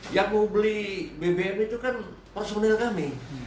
yang mau beli bbm itu kan personil kami